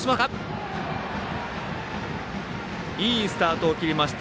いいスタートを切りました。